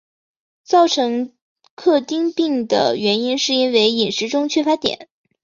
造成克汀病的原因是因为饮食中缺乏碘。